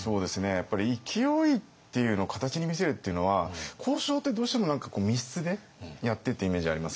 やっぱり勢いっていうのを形に見せるっていうのは交渉ってどうしても何か密室でやってっていうイメージありますけれども。